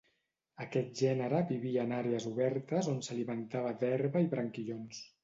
Aquest gènere vivia en àrees obertes on s'alimentava d'herba i branquillons.